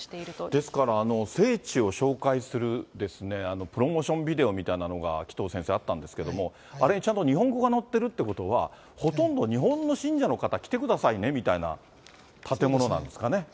ですから聖地を紹介するプロモーションビデオみたいなのが紀藤先生、あったんですけれども、あれにちゃんと日本語が載ってるということは、ほとんど日本の信者の方、来てくださいねみたいな建物なんですかね。